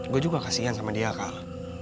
gue juga kasian sama dia kah